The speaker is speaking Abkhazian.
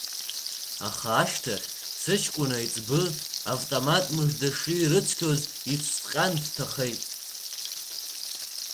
Аха ашьҭахь, сыҷкәын аиҵбы, автомат мыжда ширыцқьоз ицәҭҟьан дҭахеит.